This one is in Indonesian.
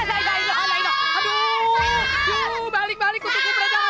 aduh balik balik kutuk gue berada di bawah jadah